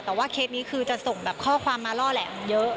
แต่ว่าเคสนี้คือจะส่งแบบข้อความมาล่อแหลมเยอะ